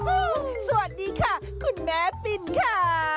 สวัสดีค่ะคุณแม่ปินค่ะ